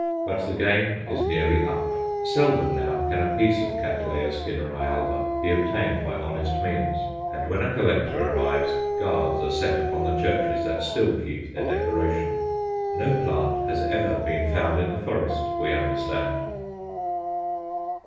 But the game is nearly up. Seldom now can a piece of Cat. Skinneri alba be obtained by honest means, and when a collector arrives guards are set upon the churches that still keep their decoration. No plant has ever been found in the forest, we understand.